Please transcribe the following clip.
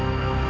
ya makasih ya